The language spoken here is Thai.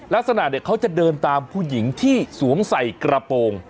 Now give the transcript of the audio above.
ลักษณะเนี่ยเขาจะเดินตามผู้หญิงที่สวมใส่กระโปรง